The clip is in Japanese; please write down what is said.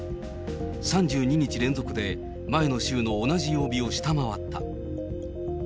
３２日連続で前の週の同じ曜日を下回った。